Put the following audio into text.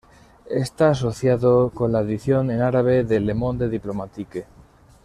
Está asociado con la edición en árabe de Le Monde diplomatique.